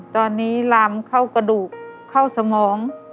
ตอนนี้ลามเข้ากระดูกเข้าสมอง